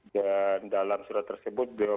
dan dalam surat tersebut dia